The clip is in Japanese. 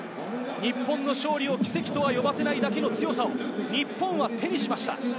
日本の勝利を奇跡とは呼ばせないだけの強さを日本は手にしました。